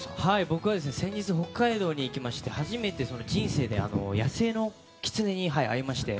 僕は先日北海道に行きまして、初めて野生のキツネに会いまして。